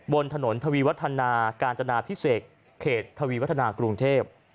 บนถนนทวีวัฒนากาญจนาพิเศษเขตทวีวัฒนากรุงเทพ